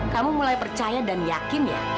kamu mulai percaya dan yakin ya